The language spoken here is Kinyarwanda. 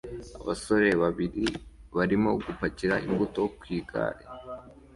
Abasore babiri barimo gupakira imbuto ku igare